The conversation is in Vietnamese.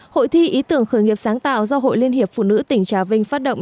hội thi ý tưởng khởi nghiệp sáng tạo do hội liên hiệp phụ nữ tỉnh trà vinh phát động